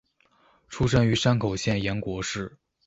出身于山口县岩国市。